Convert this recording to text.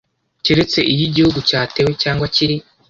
Keretse iyo Igihugu cyatewe cyangwa kiri